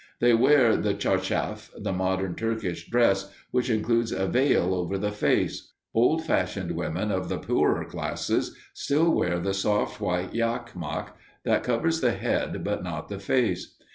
They wear the tcharchaf the modern Turkish dress which includes a veil over the face; old fashioned women of the poorer class still wear the soft white yachmak that covers the head but not the face.